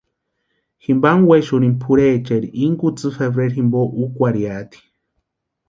Jimpanhi wexurhini pʼurhepecha ini kutsi febrero jimpo úkwarhiati.